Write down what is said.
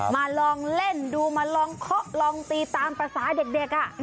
มาลองเล่นดูมาลองเคาะลองตีตามภาษาเด็ก